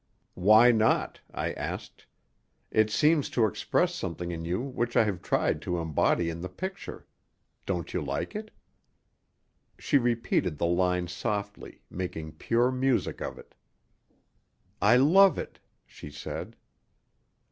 _) "Why not?" I asked. "It seems to express something in you which I have tried to embody in the picture. Don't you like it?" She repeated the line softly, making pure music of it. "I love it," she said.